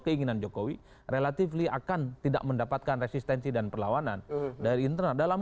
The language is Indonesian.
keinginan jokowi relatifly akan tidak mendapatkan resistensi dan perlawanan dari internal dalam